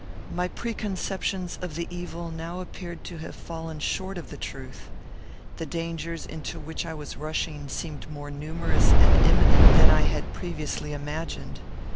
My preconceptions of the evil now appeared to have fallen short of the truth. The dangers into which I was rushing seemed more numerous and imminent than I had previously imagined.